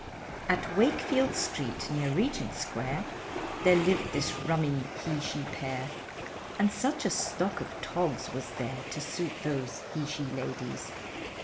At Wakefield street, near Regent Square, There lived this rummy he she pair, And such a stock of togs was there, To suit those he she ladies.